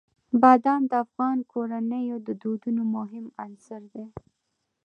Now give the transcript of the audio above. بادام د افغان کورنیو د دودونو مهم عنصر دی.